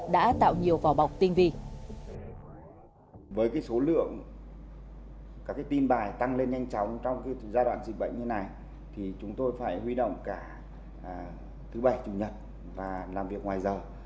đã tạo nhiều vỏ bọc tinh vi